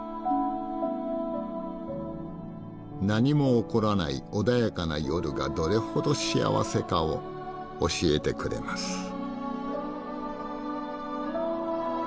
何も起こらない穏やかな夜がどれほど幸せかを教えてくれます。